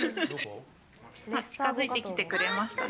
近づいてきてくれましたね。